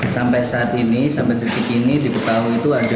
sampai saat ini sampai detik ini di kepau itu ada